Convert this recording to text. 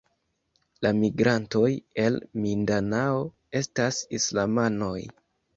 La migrantoj el Mindanao estas islamanoj.